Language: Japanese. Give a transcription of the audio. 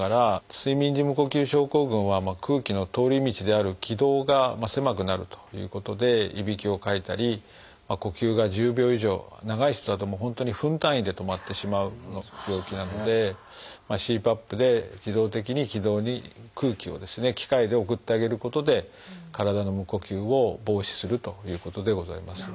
睡眠時無呼吸症候群は空気の通り道である気道が狭くなるということでいびきをかいたり呼吸が１０秒以上長い人だと本当に分単位で止まってしまう病気なのでＣＰＡＰで自動的に気道に空気を機械で送ってあげることで体の無呼吸を防止するということでございます。